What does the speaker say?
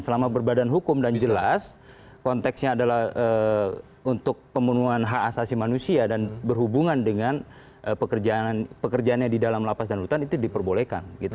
selama berbadan hukum dan jelas konteksnya adalah untuk pemenuhan hak asasi manusia dan berhubungan dengan pekerjaannya di dalam lapas dan rutan itu diperbolehkan